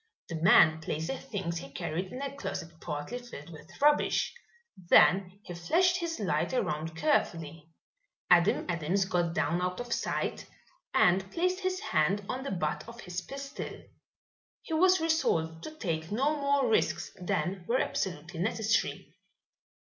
The man placed the things he carried in a closet partly filled with rubbish. Then he flashed his light around carefully. Adam Adams got down out of sight and placed his hand on the butt of his pistol. He was resolved to take no more risks than were absolutely necessary.